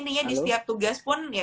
yaitu tahu ya setiap tugas apunya